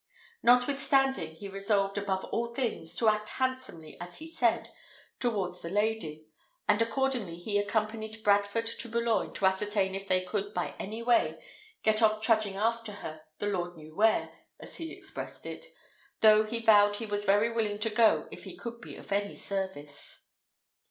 Notwithstanding, he resolved, above all things, to act handsomely, as he said, towards the lady; and accordingly he accompanied Bradford to Boulogne, to ascertain if he could by any way get off trudging after her the Lord knew where, as he expressed it, though he vowed he was very willing to go if he could be of any service.